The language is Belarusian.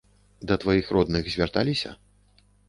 Да тваіх родных звярталіся?